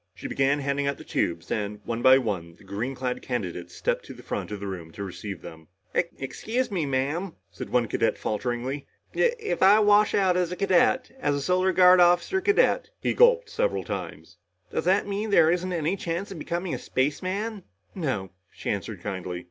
She began handing out the tubes and, one by one, the green clad candidates stepped to the front of the room to receive them. "Excuse me, Ma'am," said one cadet falteringly. "If if I wash out as a cadet as a Solar Guard officer cadet" he gulped several times "does that mean there isn't any chance of becoming a spaceman?" "No," she answered kindly.